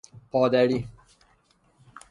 پادری